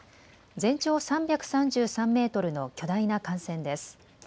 全長３３３メートルの巨大な艦船です。